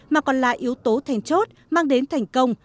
mà còn là yếu tố thèn chốt mang đến thành công